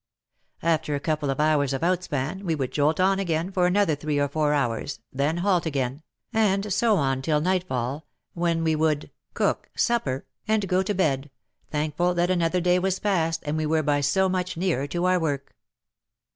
After a couple of hours of outspan we would jolt on again for another three or four hours, then halt again, and so on till nightfall, when we would "cook 88 WAR AND WOMEN supper" and go to bed, thankful that another day was passed and we were by so much nearer to our work.